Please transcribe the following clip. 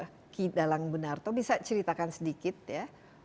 pak ki dalang benarto bisa ceritakan sedikit ya